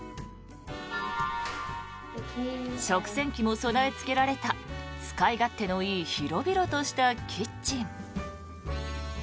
食洗機も備えつけられた使い勝手のいい広々としたキッチン。